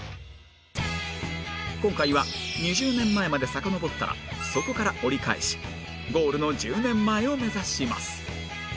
今回は２０年前までさかのぼったらそこから折り返しゴールの１０年前を目指します